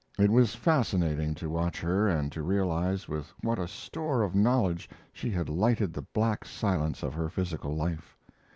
It was fascinating to watch her, and to realize with what a store of knowledge she had lighted the black silence of her physical life.